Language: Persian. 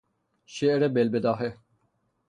شعر بالبداهه